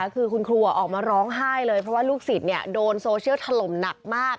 คือคุณครูออกมาร้องไห้เลยเพราะว่าลูกศิษย์โดนโซเชียลถล่มหนักมาก